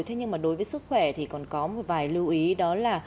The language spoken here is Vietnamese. thế nhưng mà đối với sức khỏe thì còn có một vài lưu ý đó là